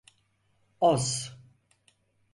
Oz.